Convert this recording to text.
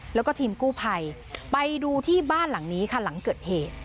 แล้วก็ทีมกู้ภัยไปดูที่บ้านหลังนี้ค่ะหลังเกิดเหตุ